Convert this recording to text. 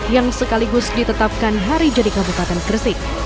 yang sekaligus ditetapkan hari jadi kabupaten gresik